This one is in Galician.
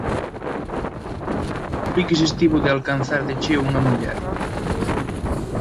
A piques estivo de alcanzar de cheo unha muller.